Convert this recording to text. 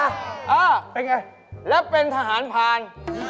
อ่าเป็นไงแล้วเป็นทหารผ่าน